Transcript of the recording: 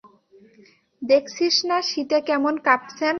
দেখছিস না, শীতে কেমন কাপছেন!